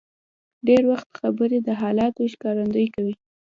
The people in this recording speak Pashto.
ډېر وخت خبرې د حالاتو ښکارندویي کوي.